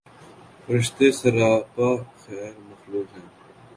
فرشتے سراپاخیر مخلوق ہیں